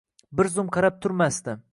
bir zum qarab turmasdi.